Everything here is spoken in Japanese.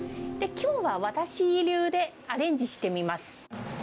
きょうは私流でアレンジしてみます。